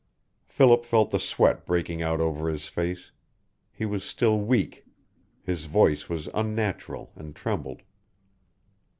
Philip felt the sweat breaking out over his face. He was still weak. His voice was unnatural, and trembled.